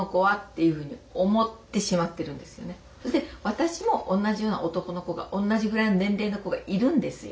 私も同じような男の子が同じぐらいの年齢の子がいるんですよ。